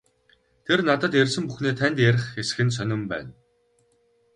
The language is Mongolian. Тэр надад ярьсан бүхнээ танд ярих эсэх нь сонин байна.